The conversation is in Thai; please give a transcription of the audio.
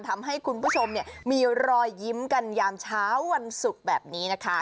ทำให้คุณผู้ชมมีรอยยิ้มกันยามเช้าวันศุกร์แบบนี้นะคะ